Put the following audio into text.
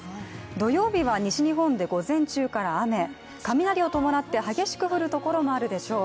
土曜日は西日本で午前中から雨、雷を伴って激しく降るところもあるでしょう。